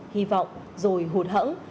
hy vọng rồi hụt hẫng